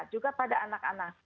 juga pada anak anak